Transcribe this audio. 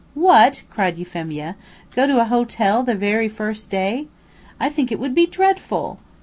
"What!" cried Euphemia, "go to a hotel the very first day? I think it would be dreadful!